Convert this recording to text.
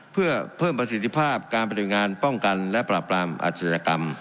เพื่อเพิ่มประสิทธิภาพการปฏิบัติงานป้องกันและปราบรามอาชญากรรม